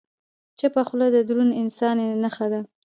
چپه خوله، د دروند انسان نښه ده.